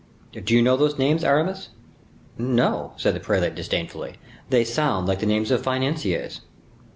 "Do you know these names, Aramis?" "No," said the prelate, disdainfully; "they sound like the names of financiers."